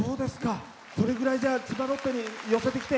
それぐらい千葉ロッテに寄せてきて。